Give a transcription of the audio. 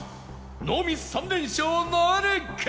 ノーミス３連勝なるか？